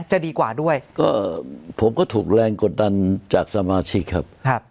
จะดีกว่าด้วยก็ผมก็ถูกแรงกดดันจากสมาชิกครับ